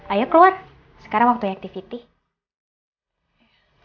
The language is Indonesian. ayo keluar sekarang waktunya aktivitas